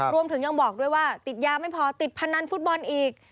รวมถึงยังบอกด้วยว่าติดยาไม่พอติดพนันฟุตบอลอีก